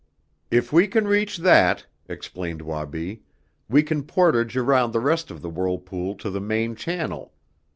"If we can reach that," explained Wabi, "we can portage around the rest of the whirlpool to the main channel.